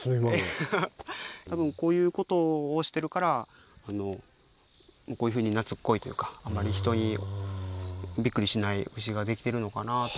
多分こういうことをしてるからこういうふうになつっこいというかあんまり人にびっくりしない牛ができてるのかなぁとは。